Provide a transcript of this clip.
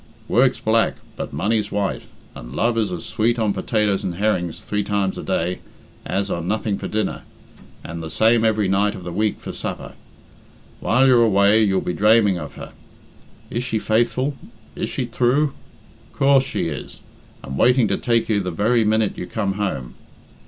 Work's black, but money's white, and love is as sweet on potatoes and herrings three times a day, as on nothing for dinner, and the same every night of the week for supper. While you're away, you'll be draming of her. 'Is she faithful?' 'Is she thrue?' Coorse she is, and waiting to take you the very minute you come home."